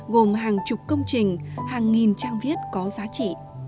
gồm hàng chục công trình hàng nghìn trang viết có giá trị